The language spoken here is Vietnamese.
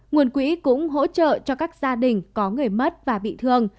nguồn quỹ cũng hỗ trợ cho các gia đình có người mất và bị thương